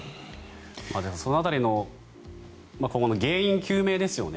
その辺りの今後の原因究明ですよね。